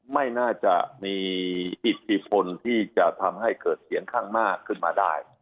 ไม่น่าจะมีอิทธิพลที่จะทำให้เกิดเสียงข้างมากขึ้นมาได้